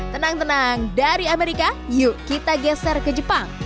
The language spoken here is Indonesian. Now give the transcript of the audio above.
tenang tenang dari amerika yuk kita geser ke jepang